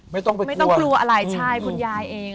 ไม่ต้องไปไม่ต้องกลัวอะไรใช่คุณยายเอง